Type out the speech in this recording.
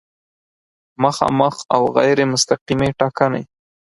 مخامخ او غیر مستقیمې ټاکنې